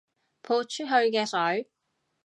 潑出去嘅水